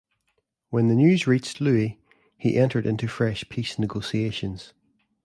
When the news reached Louis, he entered into fresh peace negotiations.